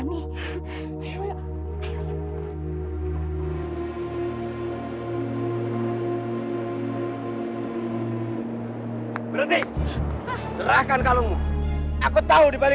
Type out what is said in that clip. mulai sekarang kita rakyat biasa